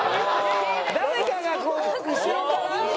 誰かがこう後ろから？